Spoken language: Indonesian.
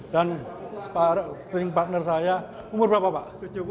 dan string partner saya umur berapa pak